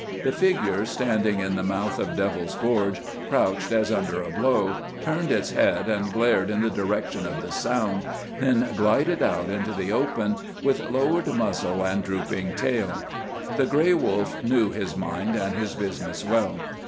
The figure standing in the mouth of Devil's Gorge crouched as under a blow, turned its head and glared in the direction of the sound, then glided out into the open with lowered muzzle and drooping tail. The gray wolf knew his mind and his business well.